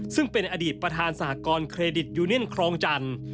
ซึ่งเป็นอดีตประธานสหกรณ์เครดิตยูเนียนครองจันทร์